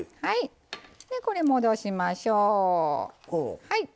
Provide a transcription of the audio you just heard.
これを戻しましょう。